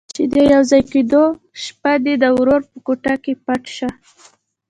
چې د يوځای کېدو په شپه دې د ورور په کوټه کې پټ شه.